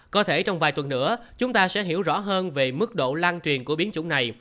có thể trong vài tuần nữa chúng ta sẽ hiểu rõ hơn về mức độ lan truyền của biến chủng này